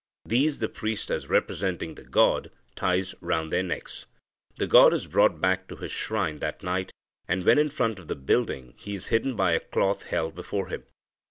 These the priest, as representing the God, ties round their necks. The God is brought back to his shrine that night, and, when in front of the building, he is hidden by a cloth held before him.